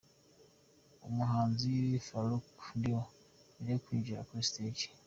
Umuhanzi Farook Dinho mbere yo kwinjira kuri stage.